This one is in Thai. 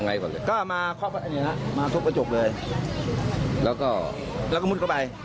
ไม่มีครับมีเดี๋ยวได้ยินเสียงผู้ชาย